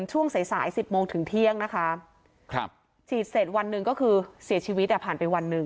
ช่วงสายสาย๑๐โมงถึงเที่ยงนะคะฉีดเสร็จวันหนึ่งก็คือเสียชีวิตผ่านไปวันหนึ่ง